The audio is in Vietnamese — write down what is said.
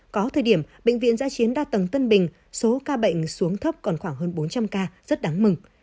có thời điểm bệnh viện giã chiến đa tầng tân bình số ca bệnh xuống thấp còn khoảng hơn bốn trăm linh ca rất đáng mừng